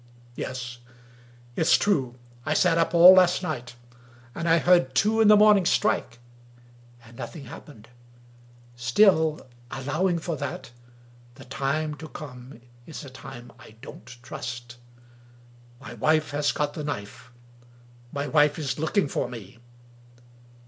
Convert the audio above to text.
Yes! it's true I sat up all last night; and I heard two in the morning strike: and nothing happened. Still, allowing for that, the time to come is a time I don't trust. My wife has got the knife — ^my wife is looking for me.